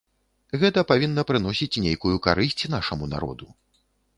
Гэта павінна прыносіць нейкую карысць нашаму народу.